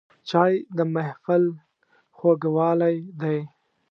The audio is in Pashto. چای د محفل خوږوالی دی